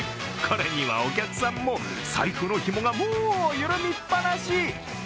これにはお客さんも、財布のひもがもう緩みっぱなし。